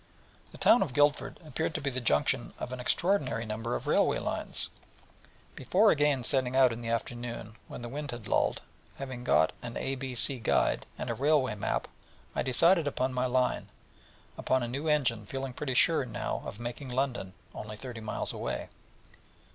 This town of Guildford appeared to be the junction of an extraordinary number of railway lines, and before again setting out in the afternoon, when the wind had lulled, having got an A B C guide, and a railway map, I decided upon my line, and upon a new engine, feeling pretty sure now of making London, only thirty miles away.